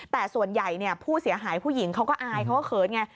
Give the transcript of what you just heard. แต่ส่วนใหญ่ผู้เสียหายผู้หญิงเขาก็อายเขาก็เขินไง